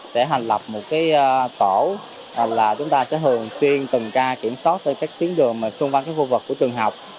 sẽ hành lập một tổ chúng ta sẽ thường xuyên từng ca kiểm soát trên các chiến đường xung quanh vô vật của trường học